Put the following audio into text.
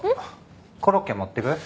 コロッケ持っていく？